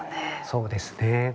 そうですね。